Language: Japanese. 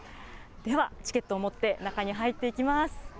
ではチケットを持って、中に入っていきます。